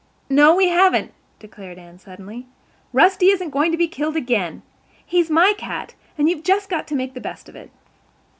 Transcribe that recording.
"No, we haven't," declared Anne suddenly. "Rusty isn't going to be killed again. He's my cat—and you've just got to make the best of it."